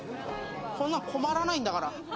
こんなの困らないんだから。